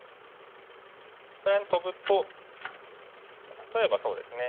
こちらにトブと例えばそうですね。